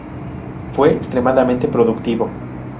Fue extremadamente productivo.